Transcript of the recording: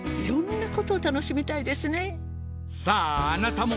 さああなたも！